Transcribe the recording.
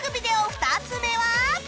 ２つ目は